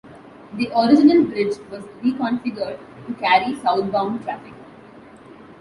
The original bridge was reconfigured to carry southbound traffic...